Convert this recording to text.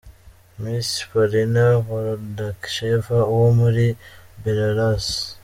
Miss Polina Borodacheva wo muri Belarus.